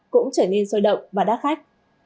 cũng trở nên sôi động và đắt khách